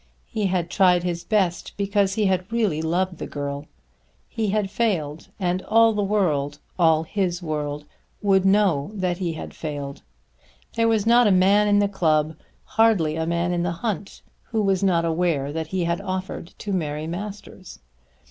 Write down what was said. He had tried his best because he had really loved the girl. He had failed, and all the world, all his world, would know that he had failed. There was not a man in the club, hardly a man in the hunt, who was not aware that he had offered to Mary Masters.